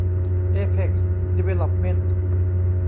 เอเพ็กซ์ ดีเวลลอปเม้นท์